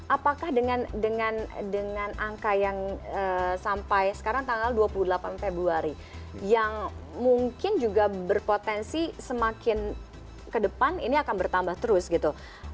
apakah dengan angka yang sampai sekarang tanggal dua puluh delapan februari yang mungkin juga berpotensi semakin ke depan ini akan bertambah terus gitu